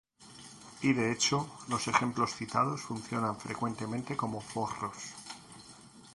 Y de hecho, los ejemplos citados funcionan frecuentemente como forros.